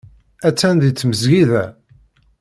Attan deg tmesgida.